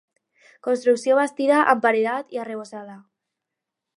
Construcció bastida amb paredat i arrebossada.